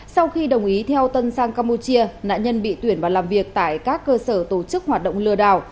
sau khi đồng ý theo tân sang campuchia nạn nhân bị tuyển và làm việc tại các cơ sở tổ chức hoạt động lừa đảo